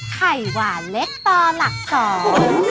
ไข่หวานเล็กต่อหลักสอง